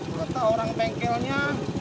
kata orang bengkelnya